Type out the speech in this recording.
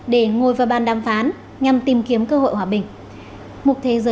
để ngồi vào bàn đàm phán nhằm tìm kiếm cơ hội hòa bình